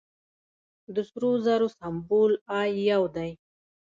د سرو زرو سمبول ای یو دی.